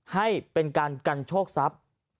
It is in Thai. ให้เป็นการกันโชคทรัพย์